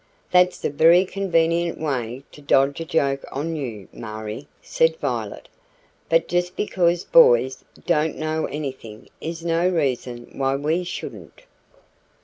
"That's a very convenient way to dodge a joke on you, Marie," said Violet. "But just because boys don't know anything is no reason why we shouldn't."